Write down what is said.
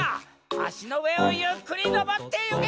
あしのうえをゆっくりのぼってゆけ！